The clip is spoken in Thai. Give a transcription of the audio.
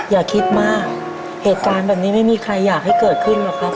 อย่าคิดมากเหตุการณ์แบบนี้ไม่มีใครอยากให้เกิดขึ้นหรอกครับ